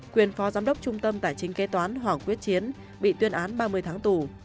quyền phó giám đốc trung tâm tài chính kế toán hoàng quyết chiến bị tuyên án ba mươi tháng tù